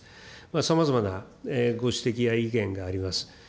さまざまなご指摘や意見があります。